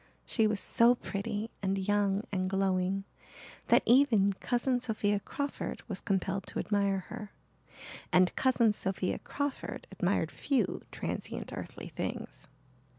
She was so pretty and young and glowing that even Cousin Sophia Crawford was compelled to admire her and Cousin Sophia Crawford admired few transient earthly things.